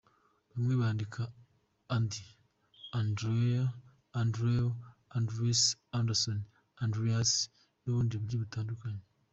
Bamwe bandika Andi, Andrea, Andrew, Andres, Anderson, Andreas n’ubundi buryo butandukanye.